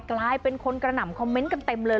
กลายเป็นคนกระหน่ำคอมเมนต์กันเต็มเลย